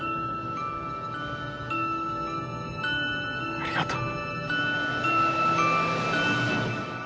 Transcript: ありがとう。